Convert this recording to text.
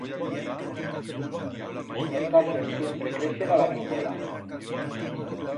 Los taixos siempre creixen a la bimbola.